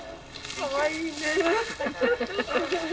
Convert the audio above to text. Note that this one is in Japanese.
かわいいね。